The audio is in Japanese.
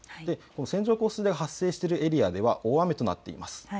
線状降水帯が発生しているエリアでは大雨となっています。